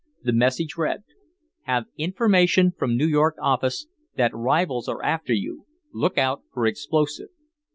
The message read: "Have information from New York office that rivals are after you. Look out for explosive."